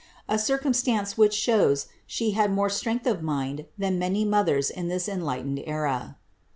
A circumstance which shows she had more strength of mind than many mothers in this enlightened era.